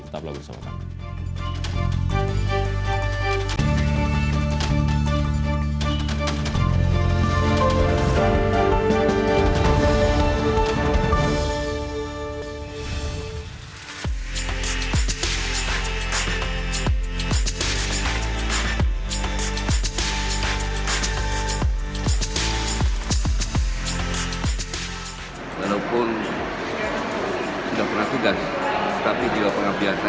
tetap bersama kami